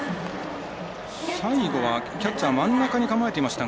最後は、キャッチャー真ん中に構えていました。